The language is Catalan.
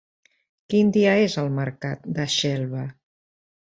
Quin dia és el mercat de Xelva?